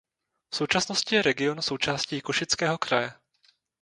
V současnosti je region součástí Košického kraje.